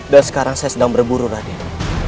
dan sekarang saya sedang berburu raden